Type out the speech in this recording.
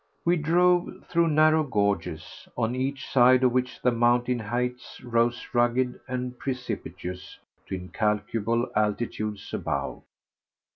We drove through narrow gorges, on each side of which the mountain heights rose rugged and precipitous to incalculable altitudes above.